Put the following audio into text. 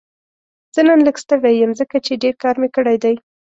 زه نن لږ ستړی یم ځکه چې ډېر کار مې کړی دی